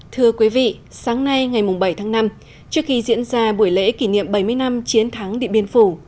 thưa quý vị sáng nay ngày bảy tháng năm trước khi diễn ra buổi lễ kỷ niệm bảy mươi năm chiến thắng điện biên phủ